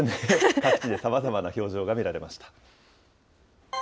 各地でさまざまな表情が見られました。